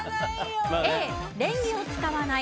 Ａ、レンゲを使わない。